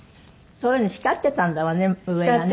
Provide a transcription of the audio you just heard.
そういうふうに光ってたんだわね上がね。